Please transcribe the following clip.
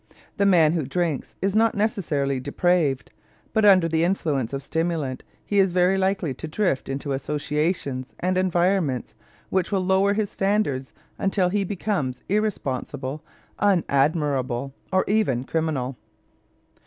The man who drinks is not necessarily depraved; but under the influence of stimulant he is very likely to drift into associations and environments which will lower his standards until he becomes irresponsible, unadmirable, or even criminal.